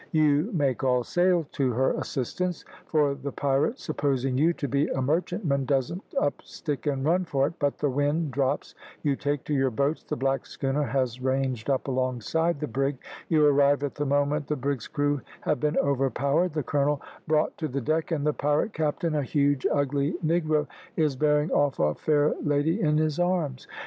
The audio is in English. You make all sail to her assistance, for the pirate, supposing you to be a merchantman, doesn't up stick and run for it but the wind drops, you take to your boats, the black schooner has ranged up alongside the brig, you arrive at the moment the brig's crew have been overpowered the colonel brought to the deck, and the pirate captain, a huge ugly negro, is bearing off a fair lady in his arms.